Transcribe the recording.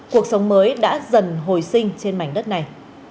cuộc sống mới đã dần hồi sinh trên mảnh đất này